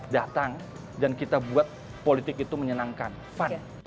datang dan kita buat politik itu menyenangkan fun